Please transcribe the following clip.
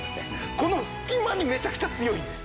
この隙間にめちゃくちゃ強いんです。